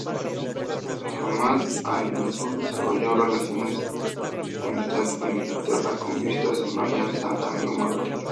Ahmad al-Mansur desarrolló relaciones de amistad con Inglaterra, con vistas a una alianza anglo-marroquí.